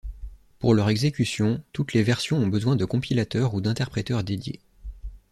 Pour leur exécution, toutes les versions ont besoin de compilateurs ou d'interpréteurs dédiés.